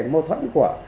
mô thuẫn của